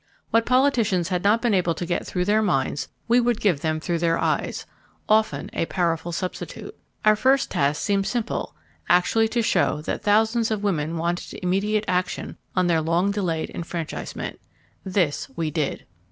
What politicians had not been able to get through their minds we would give them through their eyes—often a powerful substitute. Our first task seemed simple—actually to show that thousands of women wanted immediate action on their long delayed enfranchisement. This we did.